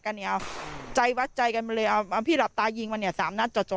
เนี่ยเอาใจวัดใจกันมาเลยเอาพี่หลับตายิงมาเนี่ยสามนัดจ่อ